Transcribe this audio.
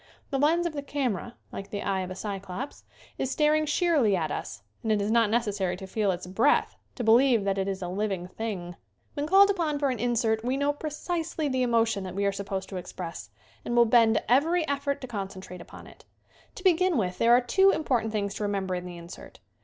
The lens of the camera, like the eye of a Cyclops, is staring sheerly at us and it is not necessary to feel its breath to believe that it is a living thing. When called upon for an insert we know precisely the emotion that we are supposed to express and will bend every effort to concen trate upon it. To begin with there are two important things to remember in the insert.